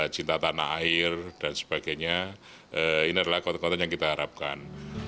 cinta tanah air dan sebagainya ini adalah konten konten yang kita harapkan